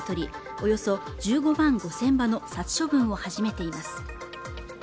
およそ１５万５千羽の殺処分を始めています。